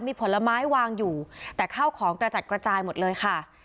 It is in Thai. มีผลไม้วางอยู่แต่ข้าวของกระจัดกระจายหมดเลยค่ะ